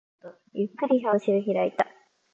僕にも見えるように、本を構えると、ゆっくり表紙を開いた